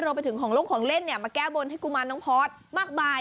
รวมไปถึงของลงของเล่นเนี่ยมาแก้บนให้กุมารน้องพอร์ตมากมาย